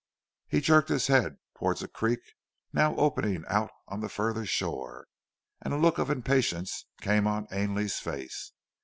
He jerked his head towards a creek now opening out on the further shore, and a look of impatience came on Ainley's face.